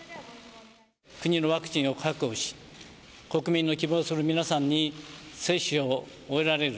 国のワクチンを確保し、国民の希望する皆さんに、接種を終えられる。